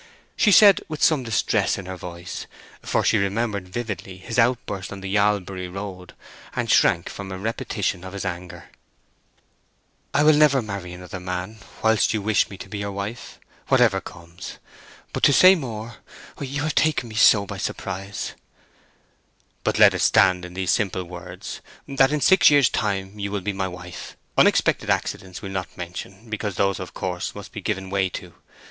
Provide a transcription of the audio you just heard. She said, with some distress in her voice, for she remembered vividly his outburst on the Yalbury Road, and shrank from a repetition of his anger:— "I will never marry another man whilst you wish me to be your wife, whatever comes—but to say more—you have taken me so by surprise—" "But let it stand in these simple words—that in six years' time you will be my wife? Unexpected accidents we'll not mention, because those, of course, must be given way to.